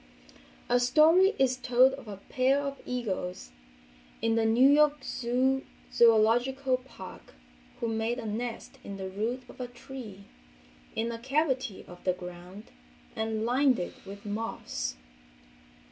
A story is told of a pair of eagles in the New York Zoological Park who made a nest in the root of a tree, in a cavity of the ground and lined it with moss.